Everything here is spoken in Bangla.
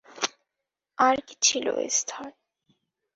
আর কী ছিল, এস্থার?